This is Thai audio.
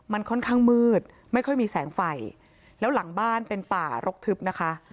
มันค่อนข้างมืดไม่ค่อยมีแสงไฟแล้วหลังบ้านเป็นป่ารกทึบนะคะ